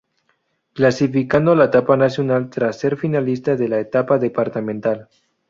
Clasificando a la etapa nacional tras ser finalista de la Etapa Departamental.